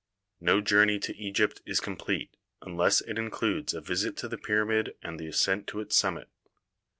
No journey to Egypt is complete unless it in cludes a visit to the pyramid and the ascent to its summit.